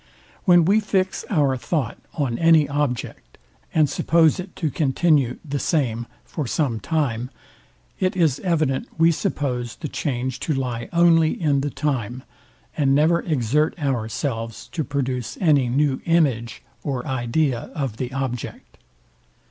When we fix our thought on any object, and suppose it to continue the same for some time; it is evident we suppose the change to lie only in the time, and never exert ourselves to produce any new image or idea of the object.